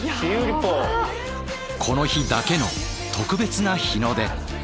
この日だけの特別な日の出。